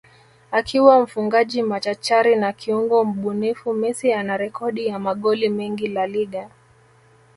akiwa mfungaji machachari na kiungo mbunifu Messi ana Rekodi ya magoli mengi La Liga